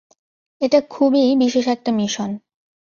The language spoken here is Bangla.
এটা খুবই বিশেষ একটা মিশন।